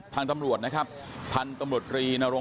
ย์ทำร่อยทางรถครับ